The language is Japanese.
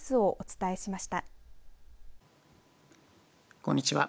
こんにちは。